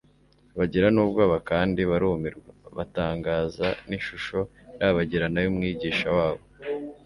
Bagira n'ubwoba kandi barumirwa, batangazwa n'ishusho irabagirana y'Umwigisha wabo.